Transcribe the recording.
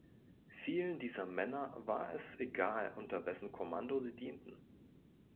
Vielen dieser Männer war es egal unter wessen Kommando sie dienten.